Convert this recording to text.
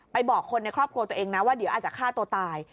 บอกคนในครอบครัวตัวเองนะว่าเดี๋ยวอาจจะฆ่าตัวตาย